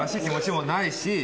気持ちもないし。